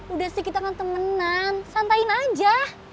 udah sih kita kan temenan santain aja